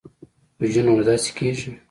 پوجي نو داسې کېږي.